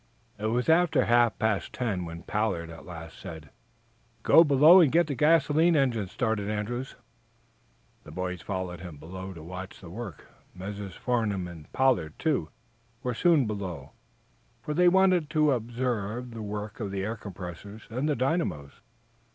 It was after half past ten when Pollard at last said: "Go below and get the gasoline engines started, Andrews." The boys followed him below to watch the work. Messrs. Farnum and Pollard, too, were soon below, for they wanted to observe the work of the air compressors and the dynamos.